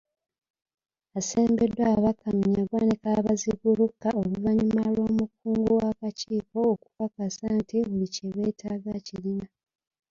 Asembeddwa ababaka Munyagwa ne Kabaziguruka oluvannyuma lw'omukungu w'akakiiko okukakasa nti buli kye beetaaga akirina.